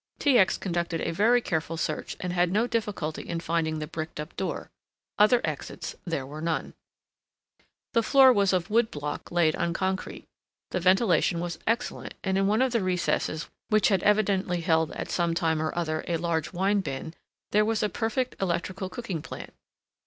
T. X. conducted a very careful search and had no difficulty in finding the bricked up door. Other exits there were none. The floor was of wood block laid on concrete, the ventilation was excellent and in one of the recesses which had evidently held at so time or other, a large wine bin, there was a prefect electrical cooking plant.